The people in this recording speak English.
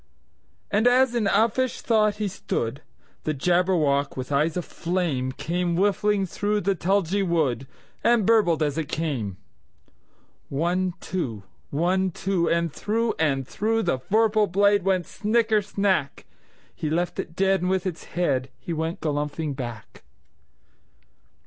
And as in uffish thought he stood, The Jabberwock, with eyes of flame, Came whiffling through the tulgey wood, And burbled as it came! One, two! One, two! And through and throughThe vorpal blade went snicker snack! He left it dead, and with its headHe went galumphing back.